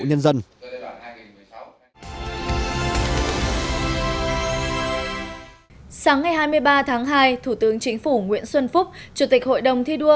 sáng ngày hai mươi ba tháng hai thủ tướng chính phủ nguyễn xuân phúc chủ tịch hội đồng thi đua